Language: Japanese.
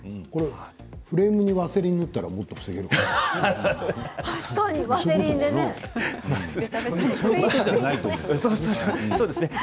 フレームにワセリンを塗ったらもっと防げるのかな。